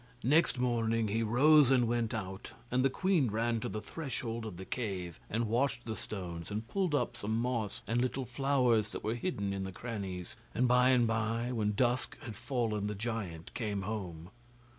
Next morning he rose and went out, and the queen ran to the threshold of the cave, and washed the stones, and pulled up some moss and little flowers that were hidden in the crannies, and by and bye when dusk had fallen the giant came home.